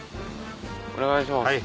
お願いします。